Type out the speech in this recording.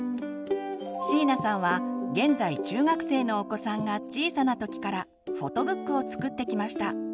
椎名さんは現在中学生のお子さんが小さな時からフォトブックを作ってきました。